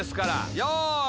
よい。